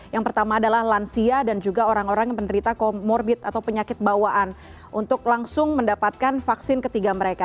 yang pertama adalah lansia dan juga orang orang yang penderita comorbid atau penyakit bawaan untuk langsung mendapatkan vaksin ketiga mereka